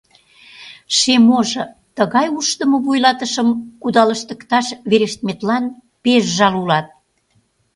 Шем ожо, тыгай ушдымо вуйлатышым кудалыштыкташ верештметлан пеш жал улат...